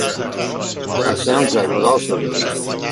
A soundtrack was also released.